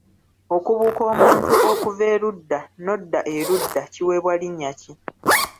Okubuuka omuntu okuva erudda n’odda erudda kiweebwa linnya ki?